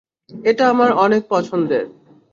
এটা আমার অনেক পছন্দের।